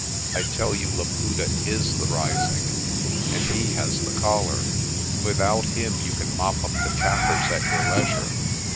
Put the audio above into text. I tell you Laputa is the Rising and he has the collar. Without him you can mop up the Kaffirs at your leisure.